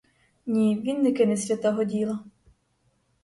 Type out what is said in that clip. Ні, він не кине святого діла!